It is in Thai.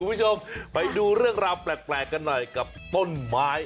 คุณผู้ชมไปดูเรื่องราวแปลกกันหน่อยกับต้นไม้